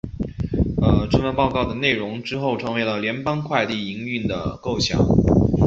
这份报告的内容之后成为了联邦快递营运的构想。